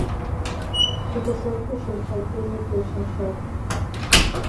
Тудо шот гычын, айдеме — пеш начар...